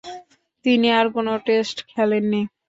তিনি আর কোন টেস্ট খেলেননি।